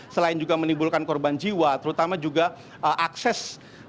selain juga menimbulkan korban jiwa terutama juga akses